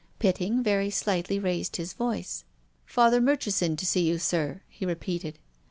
Pitting very slightly raised his voice. "Father Murchison to see you, sir," he re peated.